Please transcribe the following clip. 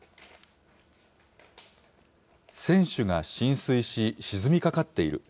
船首が浸水し、沈みかかっている。